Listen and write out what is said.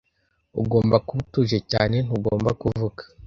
"Ugomba kuba utuje cyane; ntugomba kuvuga."